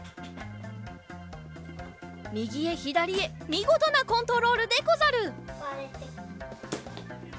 みぎへひだりへみごとなコントロールでござる！